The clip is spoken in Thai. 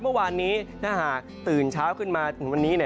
เมื่อวานนี้ถ้าหากตื่นเช้าขึ้นมาถึงวันนี้